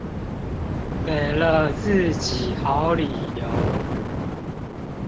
給了自己好理由